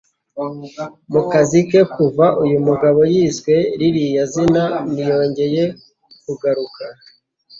Mu kazi ke kuva uyu mugabo yiswe ririya zina ntiyongeye kugaruka